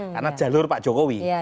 karena jalur pak jokowi